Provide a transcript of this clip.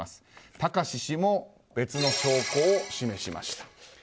貴志氏も、別の証拠を示しました。